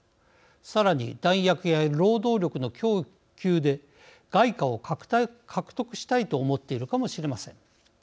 さらに弾薬や労働力の供給で外貨を獲得したいと思っているかもしれません。